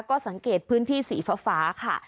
ก็สังเกตพื้นที่สีฟ้าค่ะ